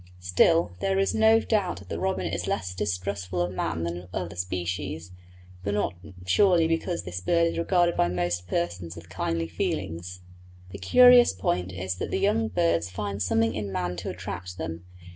Still, there is no doubt that the robin is less distrustful of man than other species, but not surely because this bird is regarded by most persons with kindly feelings. The curious point is that the young birds find something in man to attract them.